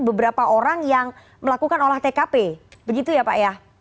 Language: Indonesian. beberapa orang yang melakukan olah tkp begitu ya pak ya